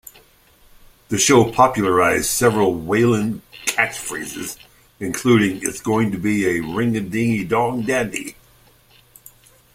The show popularized several Whalen catchphrases including It's going to be a ring-a-ding-dong dandy!